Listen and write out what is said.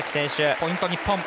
ポイント、日本。